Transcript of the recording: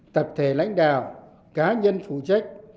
tập thể lãnh đạo cá nhân phụ trách